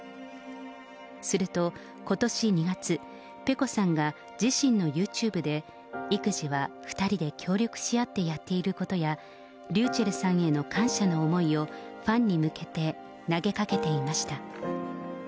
すると、ことし２月、ペコさんが自身のユーチューブで、育児は２人で協力し合ってやっていることや、ｒｙｕｃｈｅｌｌさんへの感謝の思いを、ファンに向けて投げかけていました。